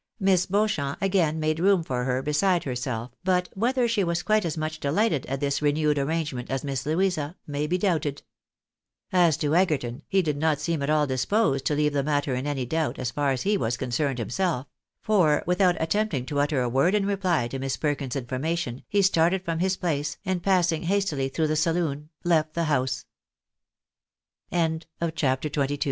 Miss Beauchamp again made room for her beside herself, but, whether she was quite as much delighted at this renewed arrangement as Miss Louisa, may be doubted. As to Egerton, he did not seem at all disposed to leave the matter in any doubt, as far as he was concerned himself; for, with out attempting to utter a word in reply to Miss Perkins's infor mation, he started from his place, and, passing h